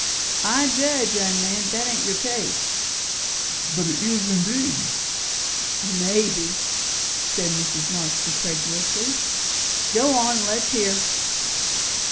"I judge, young man, that ain't your case." "But it is, indeed!" "Maybe," said Mrs. Marx incredulously. "Go on, and let's hear."